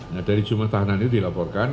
nah dari jumlah tahanan itu dilaporkan